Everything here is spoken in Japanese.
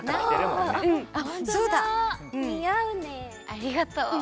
ありがとう。